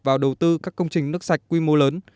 vào đầu tư các công trình nước sạch quy mô lớn